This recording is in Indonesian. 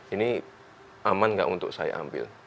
ini aman nggak untuk saya ambil